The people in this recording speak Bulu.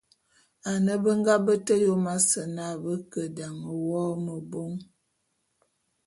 Ane be nga bete Yom ase na be ke dan wô mebôn.